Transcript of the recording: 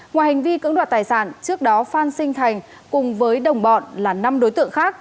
ngoài hành vi cưỡng đoạt tài sản trước đó phan sinh thành cùng với đồng bọn là năm đối tượng khác